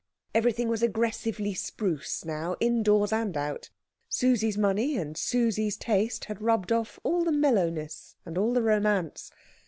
Everything was aggressively spruce now, indoors and out. Susie's money and Susie's taste had rubbed off all the mellowness and all the romance.